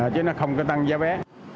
chứ nó không có tăng giá vé